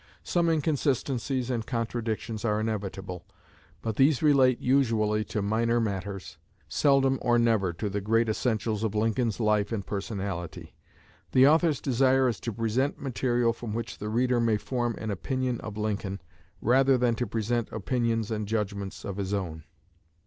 Some inconsistencies and contradictions are inevitable, but these relate usually to minor matters, seldom or never to the great essentials of Lincoln's life and personality. The author's desire is to present material from which the reader may form an opinion of Lincoln, rather than to present opinions and judgments of his own.